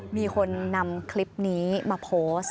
มีคนนำคลิปนี้มาโพสต์